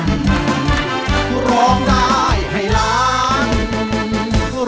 นี่คือรายการเพลงที่ยิ่งใหญ่ที่สุดนะครับ